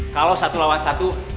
kalau satu lawan satu